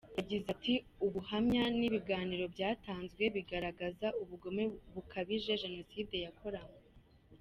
Yagize ati “Ubuhamya n’ibiganiro byatanzwe bigaragaza ubugome bukabije jenoside yakoranywe.